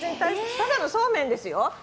ただのそうめんですよ。